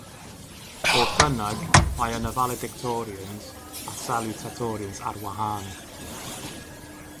Fodd bynnag, mae yna valedictorians a salutatorians ar wahân.